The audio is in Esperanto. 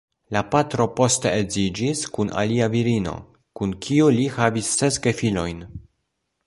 La patro poste edziĝis kun alia virino, kun kiu li havis ses gefilojn.